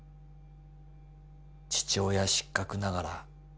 「父親失格ながら」